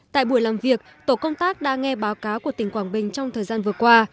tại buổi làm việc tổ công tác đã nghe báo cáo của tỉnh quảng bình trong thời gian vừa qua